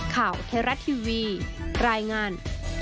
ข่าวเทราะทีวีรายงาน